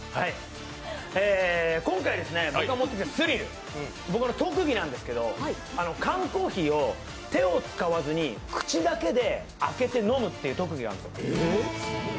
今回、僕が持ってきたスリル、僕の特技なんですけど缶コーヒーを手を使わずに口だけで開けて飲むっていう特技があるんですよ。